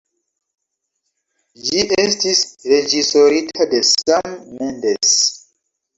Ĝi estis reĝisorita de Sam Mendes.